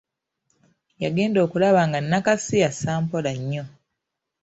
Yagenda okulaba nga Nakasi assa mpola nnyo.